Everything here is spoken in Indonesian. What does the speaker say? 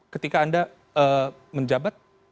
ketika anda menjabat